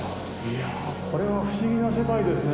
いやあこれは不思議な世界ですね。